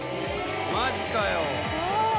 マジかよ。